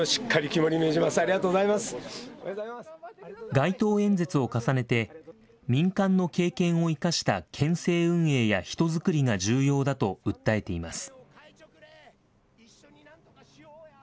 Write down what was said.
街頭演説を重ねて、民間の経験を生かした県政運営や人づくりが重要だと訴えています。